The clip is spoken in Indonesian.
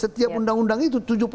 setiap undang undang itu